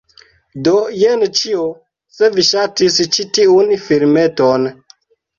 Do jen ĉio! Se vi ŝatis ĉi tiun filmeton